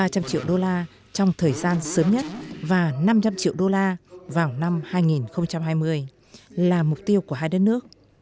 ba trăm linh triệu đô la trong thời gian sớm nhất và năm trăm linh triệu đô la vào năm hai nghìn hai mươi là mục tiêu của hai đất nước